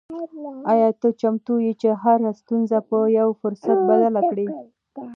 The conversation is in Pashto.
آیا ته چمتو یې چې هره ستونزه په یو فرصت بدله کړې؟